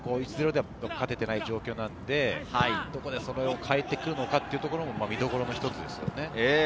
１−０では勝てていない状況なので、どこでそれを変えてくるのかというところも見どころの一つですね。